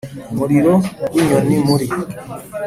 umuriro w'inyoni muri